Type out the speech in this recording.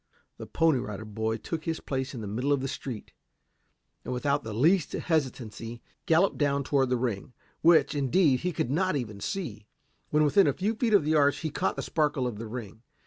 The Pony Rider boy took his place in the middle of the street, and without the least hesitancy, galloped down toward the ring, which, indeed, he could not even see. When within a few feet of the arch he caught the sparkle of the ring.